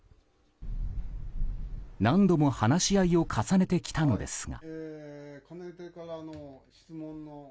何度も話し合いを重ねてきたのですが。